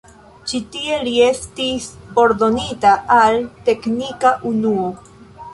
Ĉi tie li estis ordonita al teknika unuo.